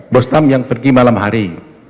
bostam yang pergi malam hari